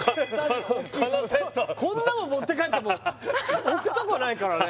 このセットはこんなもん持って帰っても置くとこないからね